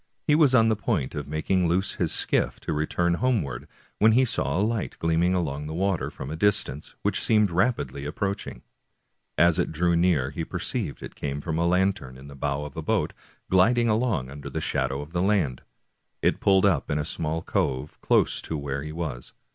He was on the point of making loose his skiff to return homeward when he saw a light gleaming along the water from a distance, which seemed rapidly ap proaching. As it drew near he perceived it came from a lantern in the bow of a boat gliding along under shadow of the land. It pulled up in a small cove close to where he was.